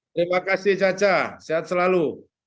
terima kasih caca sehat selalu